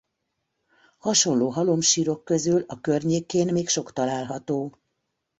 Hasonló halomsírok közül a környékén még sok található.